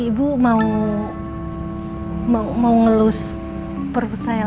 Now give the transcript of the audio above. ibu mau mau ngelus perut saya lagi